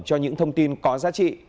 cho những thông tin có giá trị